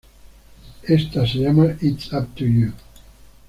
Ésta se llamó "It's Up To You".